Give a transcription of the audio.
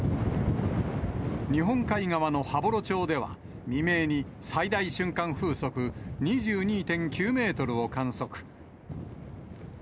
日本海側の羽幌町では、未明に最大瞬間風速２２．９メートルを観測。